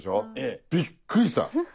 びっくりした！